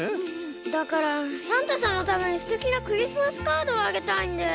だからサンタさんのためにすてきなクリスマスカードをあげたいんです。